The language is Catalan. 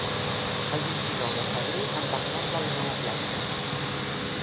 El vint-i-nou de febrer en Bernat vol anar a la platja.